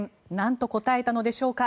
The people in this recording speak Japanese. なんと答えたのでしょうか